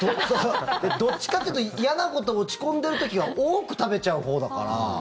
どっちかというと嫌なこと、落ち込んでいる時は多く食べちゃうほうだから。